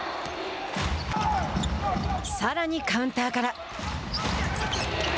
さらにカウンターから。